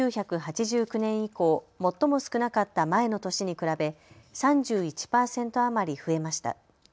１９８９年以降、最も少なかった前の年に比べ３１％余り増えました。